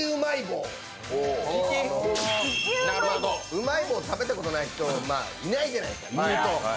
うまい棒食べたことない人いないじゃないですか。